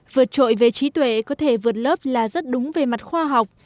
vượt trội về trí tuệ có thể vượt lớp là rất đúng về mặt khoa học